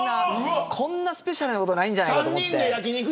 こんなスペシャルなことないんじゃないか、と思って。